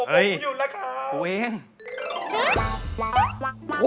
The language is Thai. ผมเอ่ยตกหยุดแล้วครับครับฮือ